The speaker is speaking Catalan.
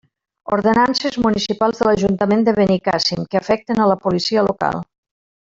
Ordenances municipals de l'ajuntament de Benicàssim que afecten la Policia Local.